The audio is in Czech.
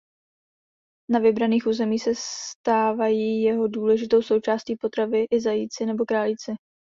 Na vybraných území se stávají jeho důležitou součástí potravy i zajíci nebo králíci.